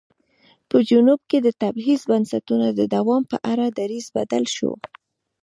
په جنوب کې د تبعیض بنسټونو د دوام په اړه دریځ بدل شو.